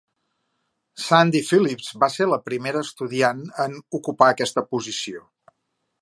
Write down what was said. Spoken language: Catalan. Sandy Phillips va ser la primera estudiant en ocupar aquesta posició.